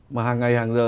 mà hàng ngày hàng giờ